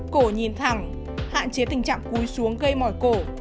cổ nhìn thẳng hạn chế tình trạng cúi xuống gây mỏi cổ